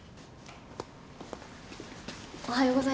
おはようございます。